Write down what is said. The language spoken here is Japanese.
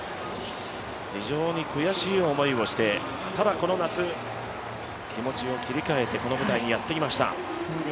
非常に悔しい思いをして、ただこの夏、気持ちを切り替えてこの舞台にやってきました。